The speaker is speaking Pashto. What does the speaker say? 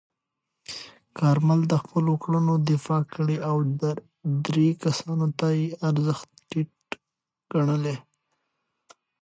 کارمل د خپلو کړنو دفاع کړې او درې کسانو ته یې ارزښت ټیټ ګڼلی.